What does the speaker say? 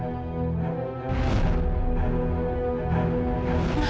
dan orang tuanya masih lengkap